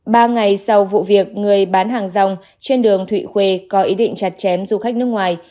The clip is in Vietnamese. ba ngày sau vụ việc người bán hàng rong trên đường thụy khuê có ý định chặt chém du khách nước ngoài